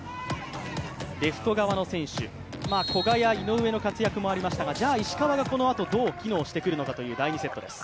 レフト側の選手、古賀や井上の活躍もありましたがじゃあ、石川がこのあとどう機能してくるのかという第２セットです。